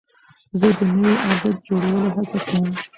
زه د نوي عادت جوړولو هڅه کوم.